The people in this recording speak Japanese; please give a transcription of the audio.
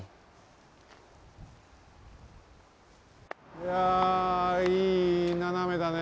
いやいいななめだね。